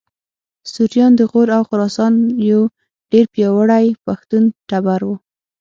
سوریان د غور او خراسان یو ډېر پیاوړی پښتون ټبر و